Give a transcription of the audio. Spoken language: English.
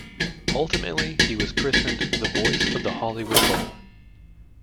Ultimately he was christened The Voice of the Hollywood Bowl.